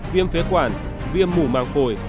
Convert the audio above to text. viêm phế quản viêm mủ màng phổi